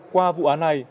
qua vụ án này